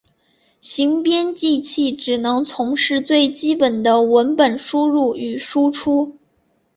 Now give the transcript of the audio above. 行编辑器只能从事最基本的文本输入与输出。